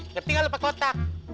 ngerti gak lu pake otak